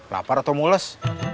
lapar atau mules